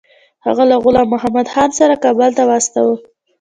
هغه له غلام محمدخان سره کابل ته واستاوه.